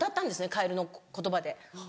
カエルの言葉で。